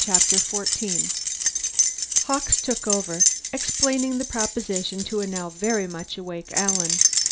Chapter Fourteen Hawkes took over, explaining the proposition to a now very much awake Alan.